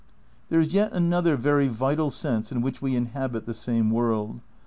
There is yet another very vital sense in which we inhabit the same world.